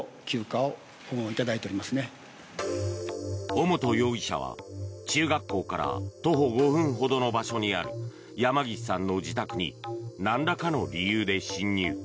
尾本容疑者は、中学校から徒歩５分ほどの場所にある山岸さんの自宅になんらかの理由で侵入。